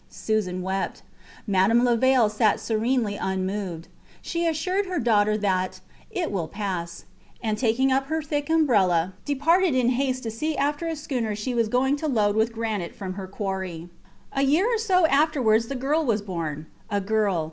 Susan wept. Madame Levaille sat serenely unmoved. She assured her daughter that It will pass; and taking up her thick umbrella, departed in haste to see after a schooner she was going to load with granite from her quarry. A year or so afterwards the girl was born. A girl.